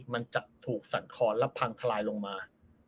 มันจะถูกสั่นครแล้วพังทลายลงมา